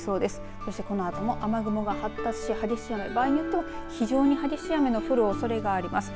そしてこのあとも雨雲が発達し激しい雨、場合によっては非常に激しい雨の降るおそれがあります。